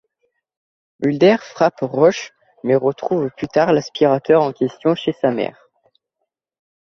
Mulder frappe Roche, mais retrouve plus tard l'aspirateur en question chez sa mère.